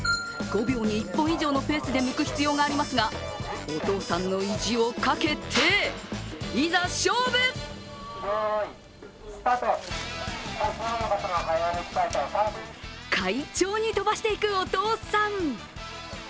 ５秒に１本以上のペースでむく必要がありますがお父さんの意地をかけて、いざ勝負快調に飛ばしていくお父さん。